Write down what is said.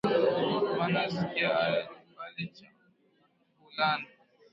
Bana sikia haya ju bali chambulana